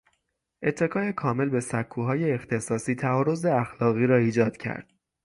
اتکای کامل به سکوهای اختصاصی، تعارض اخلاقی را ایجاد کرد